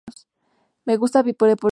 Me gusta ver vida.